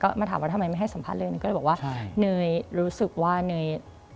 ก็มาถามว่าทำไมไม่ให้สัมภาษณ์เลย